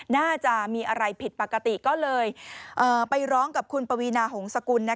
น่าจะมีอะไรผิดปกติก็เลยไปร้องกับคุณปวีนาหงษกุล